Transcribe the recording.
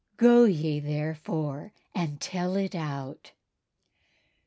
Go ye, therefore, and tell it out.